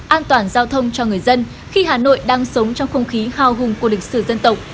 an toàn giao thông cho người dân khi hà nội đang sống trong không khí hào hùng của lịch sử dân tộc